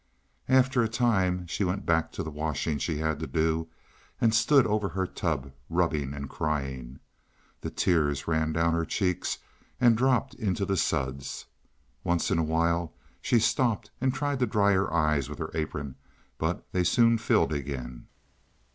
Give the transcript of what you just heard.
After a time she went back to the washing she had to do, and stood over her tub rubbing and crying. The tears ran down her cheeks and dropped into the suds. Once in a while she stopped and tried to dry her eyes with her apron, but they soon filled again.